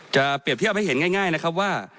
เปรียบเทียบให้เห็นง่ายนะครับว่า